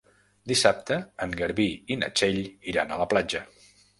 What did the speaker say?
Dissabte en Garbí i na Txell iran a la platja.